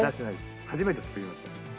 初めて作りました。